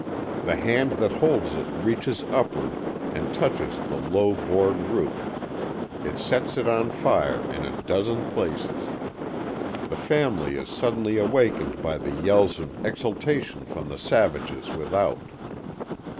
The hand that holds it reaches upward and touches the low board roof. It sets it on fire in a dozen places. The family is suddenly awakened by the yells of exultation from the savages without.